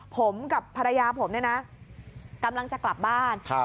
ผมกับภรรยาผมเนี่ยนะกำลังจะกลับบ้าน